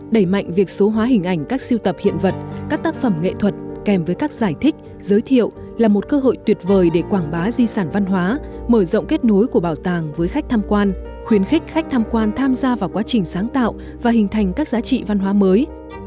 đẩy mạnh việc số hóa hình ảnh các siêu tập hiện vật các tác phẩm nghệ thuật kèm với các giải thích giới thiệu là một cơ hội tuyệt vời để quảng bá di sản văn hóa mở rộng kết nối của bảo tàng với khách tham quan khuyến khích khách tham quan tham gia vào quá trình sáng tạo và hình thành các giá trị văn hóa mới